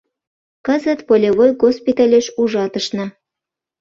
Кызыт полевой госпитальыш ужатышна.